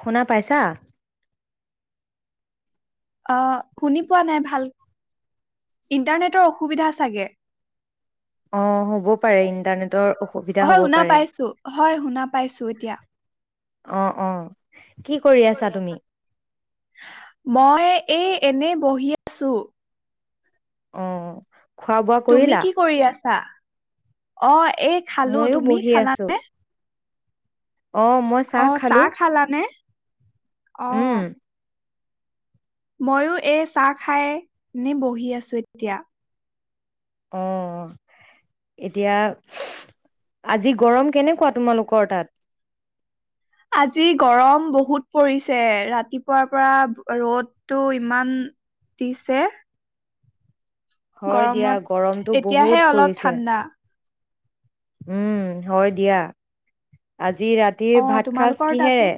শুনা পাইছা? অ, শুনি পোৱা নাই ভাল, ইণ্টাৰনেটৰ অসুবিধা চাগে। অ' হ'ব পাৰে। ইণ্টাৰনেটৰ অসুবিধা হ'ব হয় শুনা পাৰে। পাইছোঁ, হয় শুনা পাইছোঁ এতিয়া। অ অ। কি কৰি আছা তুমি? মই এই এনে বহি আছোঁ। অ অ। তুমি কি কৰি আছা? অ এ খালো, ময়ো তুমি বহি খালা আছো। নে? অ মই চাহ খালো। অ। উম, মইও এই চাহ খাই, এনে বহি আছো এতিয়া। অ অ, এতিয়া আজি গৰম কেনেকুৱা তোমালোকৰ তাত? আজি গৰম বহুত পৰিছে, ৰাতিপুৱাৰ পৰা ৰ'দটো ইমান দিছে। হয় দিয়া গৰমত গৰমটো বহুত এতিয়াহে অলপ পৰিছে। ঠাণ্ডা। উম, হয় দিয়া। আজি আজি অ ৰাতিৰ ভাতসাঁজ তোমালোকৰ তাতো কিহেৰে?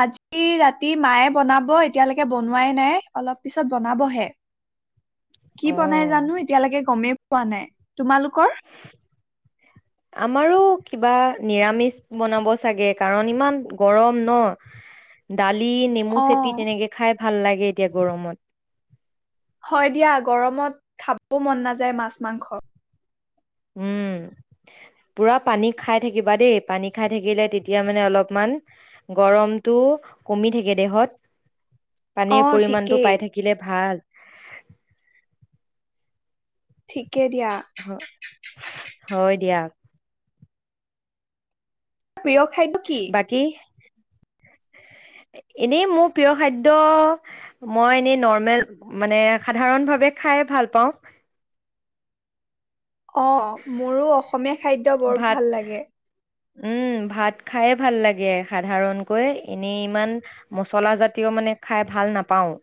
আজি ৰাতি মায়ে বনাব, এতিয়ালৈকে বনোৱাই নাই, অলপ পিছত বনাবহে। কি বনাই অ' জানো এতিয়ালেকে গমেই পোৱা নাই। তোমালোকৰ আমাৰো কিবা নিৰামিষ বনাব চাগে, কাৰণ ইমান গৰম ন। দালি নেমু অ চেপি তেনেকৈ খায় ভাল লাগে এতিয়া গৰমত। হয় দিয়া গৰমত খাবও মন নাযায় মাছ মাংস। উম, পোৰা পানী খাই থাকিবা দেই, পানী খাই থাকিলে তেতিয়া মানে অলপমান গৰমটো কমি থাকে দেহত। অ পানীৰ পৰিমানটো ঠিকেই পাই থাকিলে ভাল। ঠিক কেতিয়া? হ- হয় দিয়া। প্ৰিয় খাদ্য কি? বাকী এনেই মোৰ প্ৰিয় খাদ্য মই এনেই নৰ্মেল মানে সাধাৰণ ভাৱে খায়ে ভাল পাওঁ। অ' মোৰো অসমীয়া খাদ্য বৰ ভাত ভাল লাগে। উম! ভাত খাইয়ে ভাল লাগে সাধাৰণকৈ এনেই ইমান মচলা জাতীয় মানে খাই ভাল নাপাও।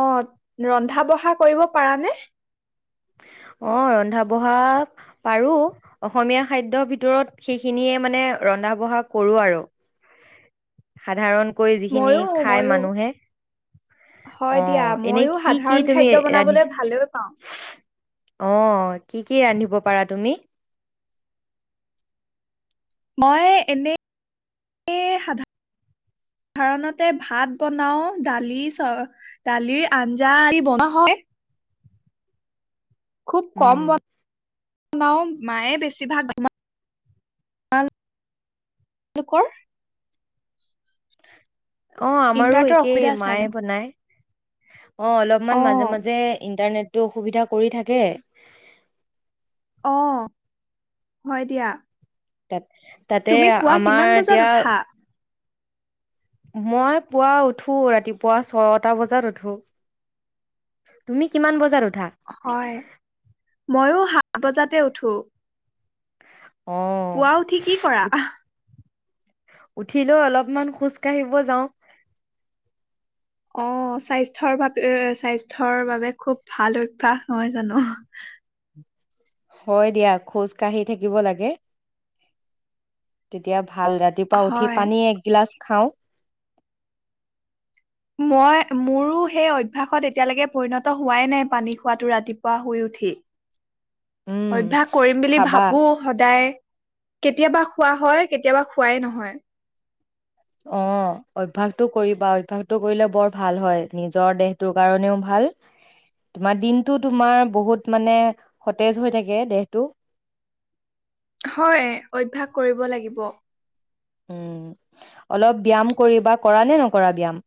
অ' ৰন্ধা বঢ়া কৰিব পাৰা নে? অ' ৰন্ধা বঢ়া পাৰো অসমীয়া খাদ্য ভিতৰত সেইখিনিয়ে মানে ৰন্ধা বঢ়া কৰো আৰু সাধাৰণ কৈ যিখিনি ময়ো খাই ময়ো মানুহে। হয় দিয়া অ'এনে ময়ো কি কি সাধাৰণ তুমি খাদ্য বনাবলৈ ৰান্ধিচা? ভালেই পাওঁ অ' কি কি ৰান্ধিব পাৰা তুমি? মই এনে সাধাৰণতে ভাত বনাও দালি চ দালিৰ আঞ্জা আদি বনোৱা হয়। খুব কম উম বন আমাৰো মায়ে বেছিভাগ [unintelligible] অ' আমাৰো ইণ্টাৰনেটৰ একেই অসুবিধা চাগে মায়ে বনায়। অ' অলপমান মাজে মাজে ইণ্টাৰনেট টো অসুবিধা কৰি থাকে। অ' হয় দিয়া! তাত তাতে তুমি পুৱা কিমান আমাৰ বজাত এতিয়া উঠা মই পুৱা উঠো ৰাতিপুৱা ছয়টা বজাত উঠো। তুমি কিমান বজাত উঠা হয় মইও সা ত বজাতে উঠো। পুৱা উঠি কি কৰা আহ? উঠি লৈ অলপমান খোজ কাঢ়িব যাওঁ। অ' স্বাস্থ্যৰ বাবে স্বাস্থ্যৰ বাবে খুব ভাল অভ্যাস নহয় জানো। হয় দিয়া খোজ কাঢ়ি থাকিব লাগে, তেতিয়া ভাল ৰাতিপুৱা উঠি হয় পানী একগিলাচ খাওঁ। মই মোৰো সেই অভ্যাসত এতিয়ালৈকে পৰিণত হোৱাই নাই পানী খোৱাটো ৰাতিপুৱা শুই উঠি। উম অভ্যাস কৰিম বুলি খাবা ভাবো সদায় কেতিয়াবা খোৱা হয় কেতিয়াবা খোৱাই নহয়। অ' অভ্য়াসটো কৰিবা অভ্যাসতটো কৰিলে অ' অভ্যাস টো কৰিবা। অভ্যাস টো কৰিলে বৰ ভাল হয় নিজৰ দেহটোৰ কাৰণেও ভাল, তোমাৰ দিনটো তোমাৰ বহুত মানে সতেজ হৈ থাকে দেহটো। হয় অভ্যাস কৰিব লাগিব। উম, অলপ ব্যায়াম কৰিবা কৰা নে নকৰা ব্যায়াম?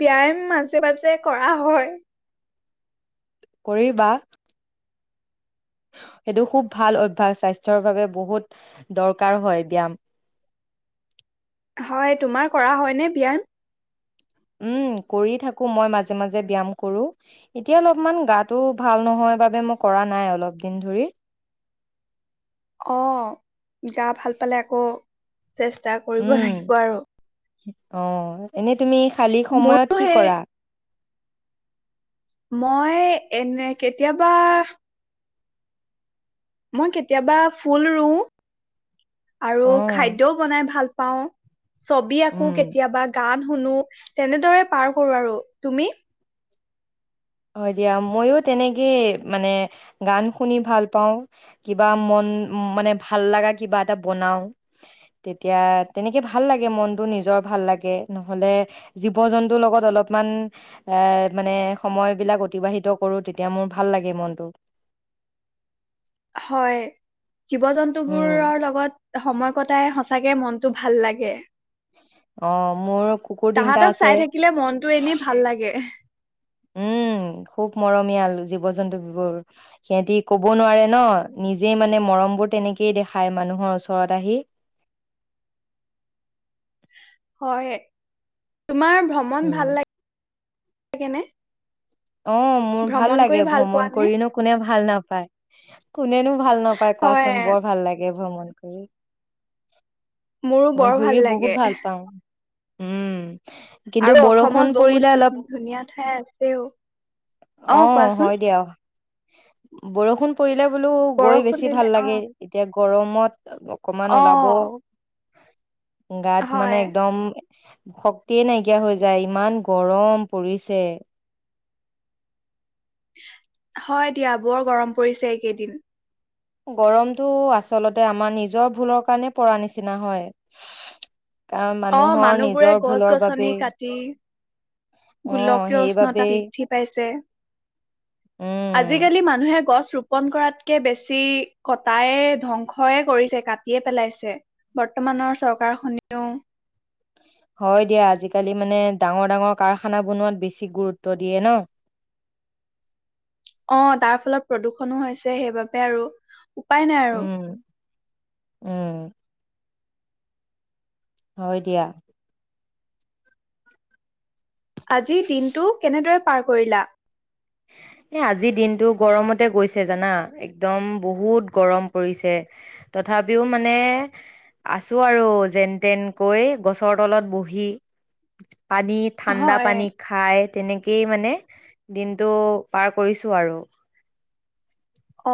ব্যায়াম মাজে মাজে কৰা হয়। কৰিবা। সেইটো খুব ভাল অভ্যাস স্বাস্থ্যৰ বাবে বহুত দৰকাৰ হয় ব্যায়াম। হয়, তোমাৰ কৰা হয়নে ব্যায়াম? উম, কৰি থাকো মই মাজে মাজে ব্যয়াম কৰো, এতিয়া অলপমান গাটোও ভাল নহয় বাবে মই কৰা নাই অলপ দিন ধৰি। অ, গা ভাল পালে আকৌ। চেষ্টা কৰিব উম, লাগিব আৰু অ', এনেই তুমি খালী সময়ত মোৰো কি সেই কৰা? মই এনে কেতিয়াবা মই কেতিয়াবা ফুল ৰুওঁ। আৰু অ', খাদ্যও বনাই ভাল পাওঁ ছবি আকো, উম, কেতিয়াবা গান শুনো, তেনেদৰে পাৰ কৰো আৰু তুমি? হয় দিয়া, মইও তেনেকে মানে গান শুনি ভাল পাওঁ। কিবা মন মানে ভাল লাগা কিবা এটা বনাওঁ, তেতিয়া তেনেকে ভাল লাগে মনটো নিজৰ ভাল লাগে নহলে জীৱ জন্তুৰ লগত অলপমান এ মানে সময় বিলাক অতিবাহিত কৰোঁ তেতিয়া মোৰ ভাল লাগে মনটো। হয়। জীৱ-জন্তু উম। বোৰৰ লগত সময় কটাই সঁচাকে মনটো ভাল লাগে। অ মোৰ কুকুৰ তিনটা তাহাঁতক আছে। চাই থাকিলে মনটো এনে ভাল লাগে। উম, খুব মৰমিয়াল জীৱ-জন্তুবোৰ, সিহঁতি ক'ব নোৱাৰে ন, নিজে মানে মৰমবোৰ তেনেকেই দেখাই মানুহৰ ওচৰত আহি। হয়ে তোমাৰ ভ্ৰমণ ভাল লা এনে অ', মোৰ ভাল লাগে, ভ্ৰমণ নে? কৰিনো কোনে ভাল নাপায়। কোনেনো ভাল নাপাই হয় কোৱাচোন,? বৰ ভাল লাগে ভ্ৰমণ। উ। মোৰো বৰ ভাল লাগে। পাওঁ। উম। কিন্তু আৰু বৰষুণ অসমত বহুত পৰিলে অলপ ধুন ধুনীয়া ঠাই আছেও। অ', হয় দিয়া। বৰষুণ পৰিলে হ'লেও গৈ বৰষুণ বেছি দিলে ভাল অ লাগে। গৰমত অকমান অ ওলাব। গাত মানে হয়। একদম শক্তিয়ে নাইকিয়া হৈ যাই, ইমান গৰম পৰিছে। হয় দিয়া, বৰ গৰম পৰিছে এইকেইদিন। গৰমটো আচলতে আমাৰ নিজৰ ভুলৰ কাৰণে পৰা নিচিনা হয়। আ, অ মানুহৰ মানুহবোৰে নিজৰ ভুলৰ গছ-গছনি বাবেই কাটি অ গোলকীয় উষ্ণতা সেইবাবেই বৃদ্ধি পাইছে। উম আজিকালি মানুহে গছ ৰোপন কৰাতকে বেছি কটাই ধ্বংসই কৰিছে। কাটিয়েই পেলাইছে। বৰ্তমানৰ চৰকাৰখনেও হয় দিয়া, আজিকালি, মানে, ডাঙৰ-ডাঙৰ কাৰখানা বনোৱাত বেছি গুৰুত্ব দিয়ে ন? অ', তাৰ ফলত প্ৰদূষণো হৈছে। সেইবাবে আৰু উপায় নাই আৰু উম উম। হয় দিয়া। আজি দিনটো কেনেদৰে পাৰ কৰিলা এ, আজিৰ দিনটো গৰমতে গৈছে, জানা। একদম বহুত গৰম পৰিছে। তথাপিও, মানে, আছোঁ আৰু যেন-তেনকৈ গছৰ তলত বহি পানী, ঠাণ্ডা হয় পানী খায় তেনেকেই মানে, দিন টো পাৰ কৰিছো আৰ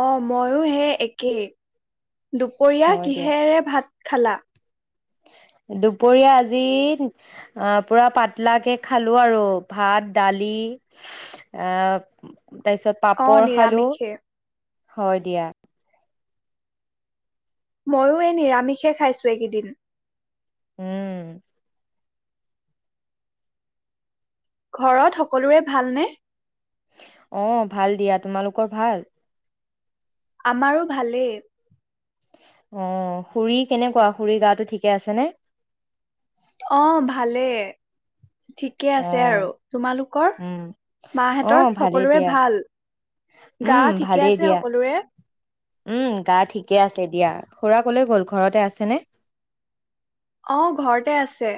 অ', ময়ো হে একেই। দুপৰীয়া হয় দিয়া কিহেৰে ভাত খালা দুপৰীয়া আজি, আ, পুৰা পাতলাকে খালো আৰু, ভাত, দালি আ তাৰ পিছত অ পাপৰ খালো। নিৰামিষে হয় দিয়া। ময়ো এই নিৰামিষে খাইছোঁ এইকেইদিন। উম। ঘৰত সকলোৰে ভালনে? অ', ভাল দিয়া। তোমালোকৰ ভাল? আমাৰো ভালেই। অ', খুৰী কেনেকুৱা? খুৰীৰ গাটো ঠিকে আছেনে? অ', ভালেই। ঠিকে অ আছে। আৰু, তোমালোকৰ উম অ মাহঁতৰ ভালেই সকলোৰে দিয়া ভাল? গা উম ঠিকে ভালেই আছে দিয়া সকলোৰে? উম গা ঠিকে আছে দিয়া। খুৰা ক'লৈ গ'ল? ঘৰতে আছেনে? অ', ঘৰতে আছে।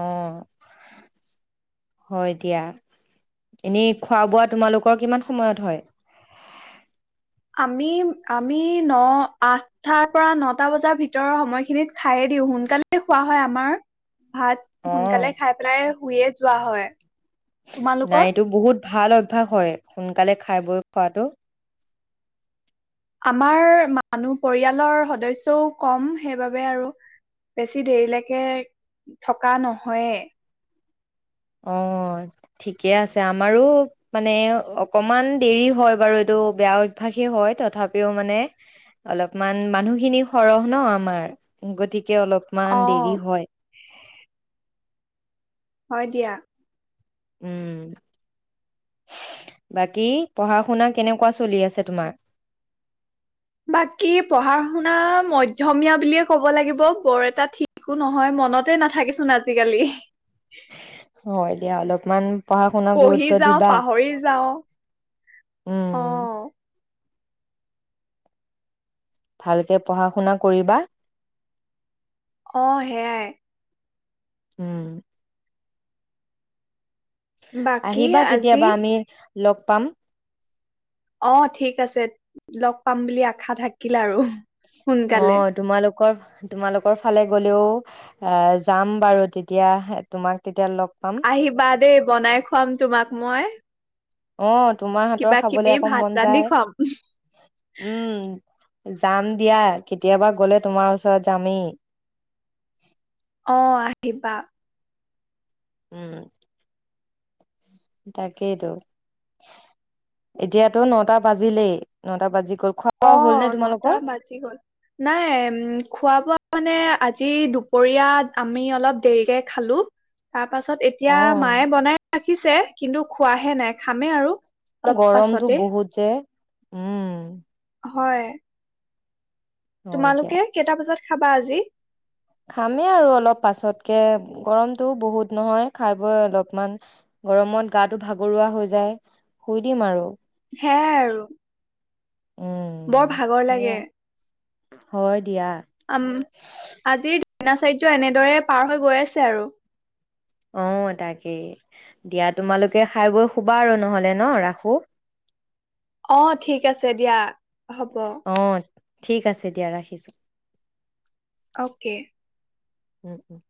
অ', হয় দিয়া। এনেই খোৱা-বোৱা তোমালোকৰ কিমান সময়ত হয়? আমি, আমি ন, আঠটাৰ পৰা নটা বজাৰ ভিতৰৰ সময়খিনিত খায়েই দিওঁ। সোনকালেই খোৱা হয় আমাৰ। ভাত অ' সোনকালে খাই পেলাই, শুয়েই যোৱা হয়। নাই, তোমালোকৰ এইটো বহুত ভাল অভ্যাস হয়। সোনকালে খাই বৈ শুৱাটো। আমাৰ মানুহ, পৰিয়ালৰ সদস্যও কম। সেইবাবে, আৰু বেছি দেৰিলৈকে থকা নহয়েই। অ', ঠিকে আছে। আমাৰো, মানে, অকণমান দেৰি হয় বাৰু। এইটো বেয়া অভ্যাসেই হয়। তথাপিও, মানে, অলপমান মানুহখিনি সৰহ ন আমাৰ, গতিকে কে অলপমান অ দেৰি হয়। [inaudible] হয় দিয়া। উম, বাকী পঢ়া-শুনা কেনেকুৱা চলি আছে তোমাৰ? বাকী পঢ়া-শুনা মধ্যমীয়া বুলিয়ে ক'ব লাগিব। বৰ এটা ঠিকো নহয়, মনতে নাথাকে চোন আজিকালি। হয় দিয়া অলপ মান পঢ়ি যাওঁ পাহৰি যাওঁ উম, আ। ভালকে পঢ়া শুনা কৰিবা। অ' সেয়াই। উম। বাকী আহিবা আজি কেতিয়াবা আমি লগ পাম অ' ঠিক আছে, লগ পাম বুলি আশা থাকিল আৰু। সোনকালে অ' তোমালুক কৰ তোমালুকৰ ফালে গ'লেওঁ এ যাম বাৰু তেতিয়াহে তোমাক তেতিয়া লগ পাম আহিবা দে। বনাই খুৱাম তোমাক মই। অত তোমাৰ হাতৰ কিবা খাবলৈ কিবি আকৌ ভাত মন ৰান্ধি যায়। খুৱাম উম। যাম দিয়া, কেতিয়াবা গ'লে তোমাৰ ওচৰত যামেই। অ, আহিবা। উম। তাকেইতো এতিয়া তো নটা বাজিলেই নটা বাজি গ'ল খোৱা বোৱা হ'ল অ'হ, নে নটা তোমালোকৰ বাজি গ'ল নাই। উম, খোৱা-বোৱা মানে আজ আজি দুপৰীয়াত আমি অলপ দেৰিকে খালোঁ। তাৰ পাছত এতিয়া অ মা এ বনাই আখিছে কিন্তু খোৱা হে নাই। খামেই আৰু। অলপ গৰম টো পাছতে বিহুত জে। উম। হয়। হয় দিয়া তোমালোকে কেইটা বাজত খাবা আজী? খামেই আৰু অলপ পাছতকে। গৰমটো। বহুত নহয়, খাবই অলপমান। গৰমত গাটো ভাগৰুৱা হৈ যায়। শুই দিম আৰু। সেইয়া আৰু। উম বৰ ভাগৰ লাগে। সেয়াই হয় দিয়া। [inaudible] দিনাচাৰ্য্য এনেদৰে পাৰহৈ গৈ আছে আৰু। অ' তাকেই, দিয়া তোমালোকে খাই বৈ শুবা আৰু নহ'লে ন, ৰাখোঁ। অ', ঠিক আছে দিয়া। হব। অ ঠিক আছে দিয়া ৰাখিছোঁ। অ'কে উম, উম।